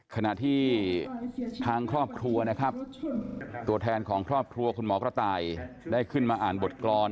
ขณะที่ทางครอบครัวนะครับตัวแทนของครอบครัวคุณหมอกระต่ายได้ขึ้นมาอ่านบทกรรม